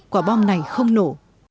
quả bom này không nổ